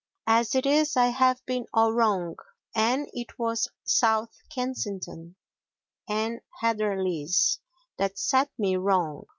As it is I have been all wrong, and it was South Kensington and Heatherley's that set me wrong.